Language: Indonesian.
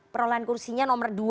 perolahan kursinya nomor dua